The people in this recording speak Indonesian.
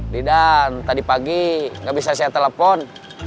didan tadi pagi gak bisa saya telepon